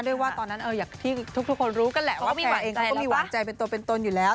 ด้วยว่าตอนนั้นอยากที่ทุกคนรู้กันแหละว่าแพร่เองเขาก็มีหวังใจเป็นตนอยู่แล้ว